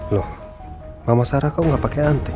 loh mama sarah kau gak pake anting